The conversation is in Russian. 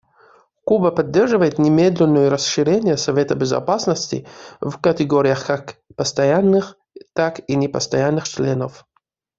Куба поддерживает немедленное расширение Совета Безопасности в категориях как постоянных, так и непостоянных членов.